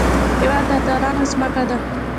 هېواد د اتلانو ځمکه ده